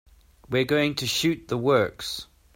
We're going to shoot the works.